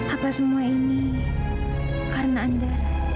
apa semua ini karena anda